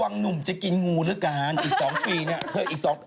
หนุ่มจะกินงูด้วยกันอีก๒ปีเนี่ยเธออีก๒ปี